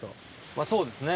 まぁそうですね。